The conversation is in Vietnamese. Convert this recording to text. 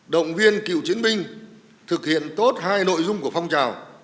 động viên cựu chiến binh thực hiện tốt hai nội dung của phong trào